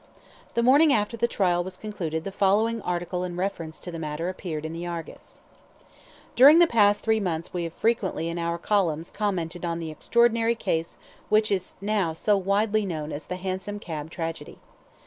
The morning after the trial was concluded the following article in reference to the matter appeared in the ARGUS: "During the past three months we have frequently in our columns commented on the extraordinary case which is now so widely known as 'The Hansom Cab Tragedy.'